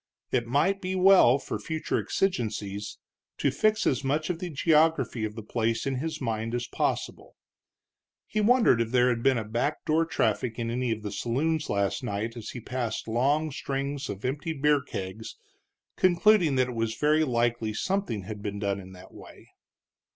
It might be well, for future exigencies, to fix as much of the geography of the place in his mind as possible. He wondered if there had been a back door traffic in any of the saloons last night as he passed long strings of empty beer kegs, concluding that it was very likely something had been done in that way.